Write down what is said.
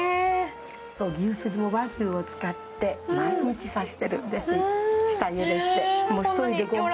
牛すじも和牛を使って毎日刺してるんです。